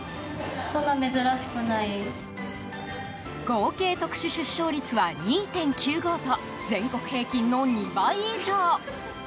合計特殊出生率は２．９５と全国平均の２倍以上！